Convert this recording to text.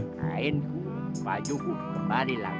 kain baju gue kembali lah